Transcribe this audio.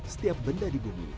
setiap benda di bumi